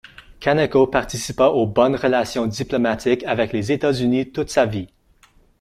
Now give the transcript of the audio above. Kaneko participa aux bonnes relations diplomatiques avec les États-Unis toute sa vie.